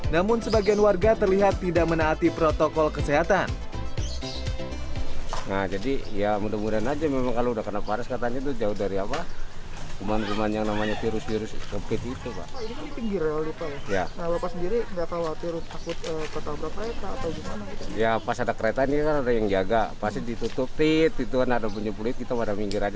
namun sebagian warga terlihat tidak menaati protokol kesehatan